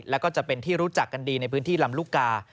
แล้วก็จะเป็นที่รู้จักกันดีในพื้นที่ลำลูกกา